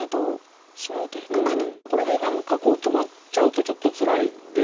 これで何か止まっちゃうとちょっとつらいので。